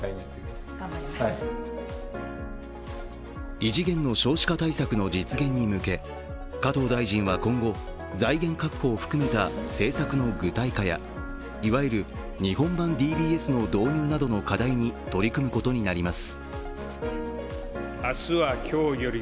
異次元の少子化対策の実現に向け加藤大臣は今後財源確保を含めた政策の具体化やいわゆる日本版ＤＢＳの導入などの課題に取り組むことになります。